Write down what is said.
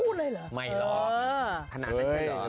เขาพูดเลยเหรอ